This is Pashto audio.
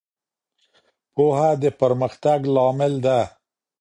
پوهه د پرمختګ لامل ده.